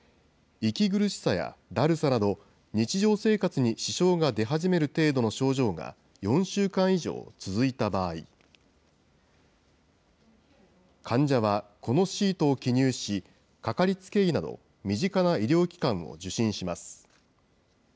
息苦しさやだるさなど、日常生活に支障が出始める程度の症状が４週間以上続いた場合、患者はこのシートを記入し、かかりつけ医など身近な医療機関を受診します。